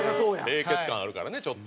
清潔感あるからねちょっと。